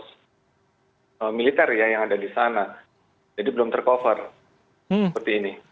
kasus militer ya yang ada di sana jadi belum tercover seperti ini